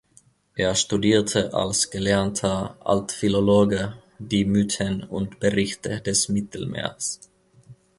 Er studierte als gelernter Altphilologe die Mythen und Berichte des Mittelmeers.